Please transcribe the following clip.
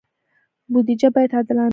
بودجه باید عادلانه وي